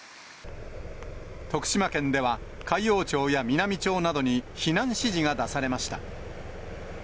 徳島県では、海陽町や美波町などに避難指示が出されました。